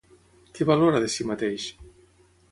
Què valora de si mateix?